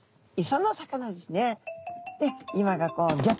磯の魚ですね。